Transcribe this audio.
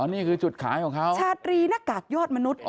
นี่คือจุดขายของเขาชาตรีหน้ากากยอดมนุษย์